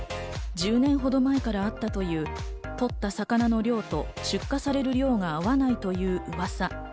１０年ほど前からあったという取った魚の量と出荷される量が合わないという噂。